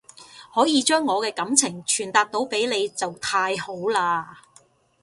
可以將我嘅感情傳達到俾你就太好喇